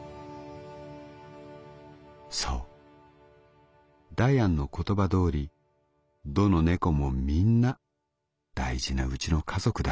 「そうダヤンの言葉通りどの猫もみんな大事なうちの家族だ。